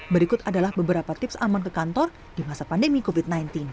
berikut adalah beberapa tips aman ke kantor di masa pandemi covid sembilan belas